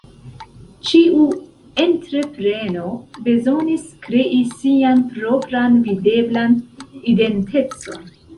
Ĉiu entrepreno bezonis krei sian propran videblan identecon.